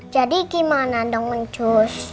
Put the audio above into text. jadi gimana dong ncus